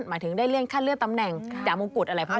หมายถึงได้เลี่ยงฆ่าเลือดตำแหน่งหลายมุมกุฎอะไรพวกนี้